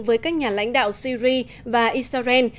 với các nhà lãnh đạo syri và israel